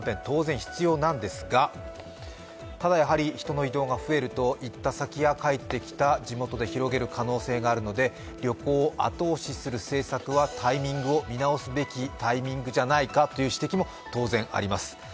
当然、必要なんですがただ、人の移動や増えると、行った先や帰ってきた地元で広げることもあるので、旅行を後押しする政策はタイミングを見直すべきタイミングじゃないかという指摘も当然あります。